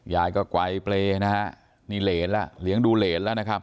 ยายก็ไกวเปรย์นะฮะนี่เหรียญล่ะเหรียญดูเหรียญแล้วนะครับ